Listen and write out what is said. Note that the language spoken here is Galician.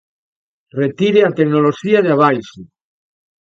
Retire a tecnoloxía de abaixo.